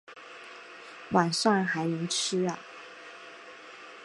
晚上还能吃啊